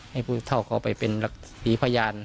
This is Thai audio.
ให้ผู้เท่าเข้าไปเป็นหลักศรีพยาน